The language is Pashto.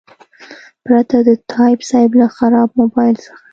پرته د تایب صیب له خراب موبایل څخه.